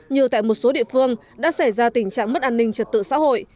như tại một số địa phương đã xảy ra tình trạng mất an ninh trật tự xã hội